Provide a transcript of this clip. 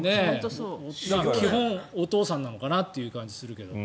基本、お父さんなのかなという感じがするけれど。